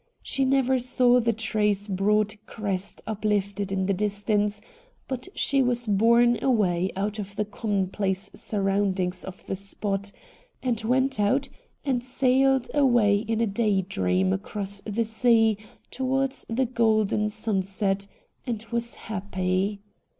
She never saw the tree's broad crest uplifted in the distance but she was borne away out of the commonplace surroundings of the spot, and went out and sailed away in a day dream across the sea towards the golden sunset, and was happy.